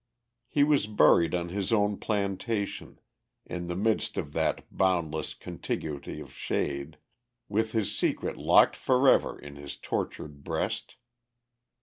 He was buried on his own plantation, in the midst of "that boundless contiguity of shade," with his secret locked forever in his tortured breast.